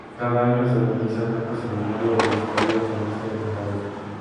Cada año se organizan actos en memoria de los caídos en este atentado.